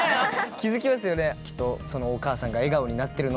気付きますよね。